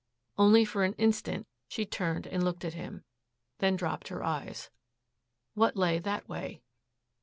Only for an instant she turned and looked at him, then dropped her eyes. What lay that way?